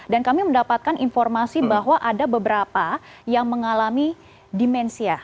dan kami mendapatkan informasi bahwa ada beberapa yang mengalami dimensia